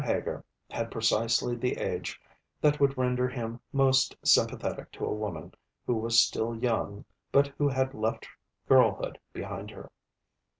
Heger had precisely the age that would render him most sympathetic to a woman who was still young but who had left girlhood behind her.